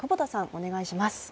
お願いします。